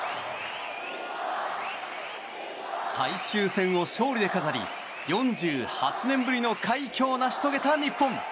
最終戦を勝利で飾り４８年ぶりの快挙を成し遂げた日本。